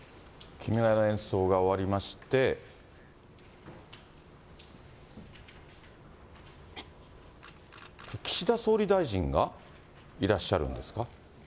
君が代の演奏が終わりまして、岸田総理大臣がいらっしゃるんですか。